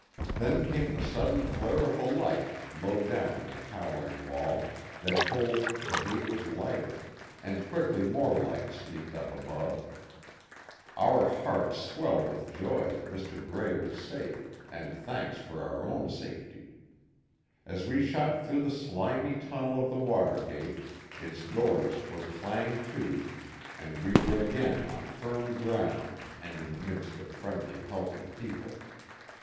Then came the sudden flare of a light low down on the towering wall that told the gate was lighted, and quickly more lights leaped up above. Our hearts swelled with joy that Mr. Grey was safe, and thanks for our own safety. As we shot through the slimy tunnel of the water gate its doors were clanged to, and we were again on firm ground and in the midst of friendly helping people.